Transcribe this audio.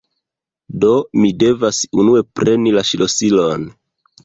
do mi devas unue preni la ŝlosilon